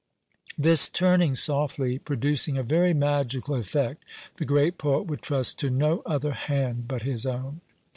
This "turning softly" producing a very magical effect, the great poet would trust to no other hand but his own!